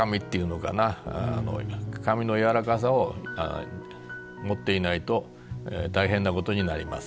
紙の軟らかさを持っていないと大変なことになります。